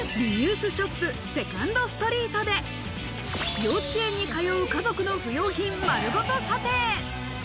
リユースショップ・セカンドストリートで幼稚園に通う家族の不用品、丸ごと査定。